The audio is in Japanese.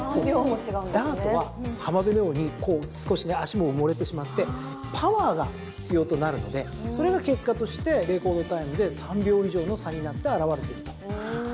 ダートは浜辺のように少し足も埋もれてしまってパワーが必要となるのでそれが結果としてレコードタイムで３秒以上の差になって表れていると。